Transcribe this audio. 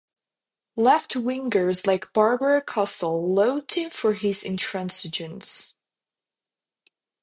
Left-wingers like Barbara Castle loathed him for his intransigence.